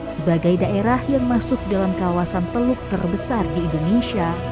sebagai daerah yang masuk dalam kawasan teluk terbesar di indonesia